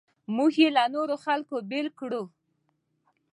موږ یې له نورو خلکو بېل کړو.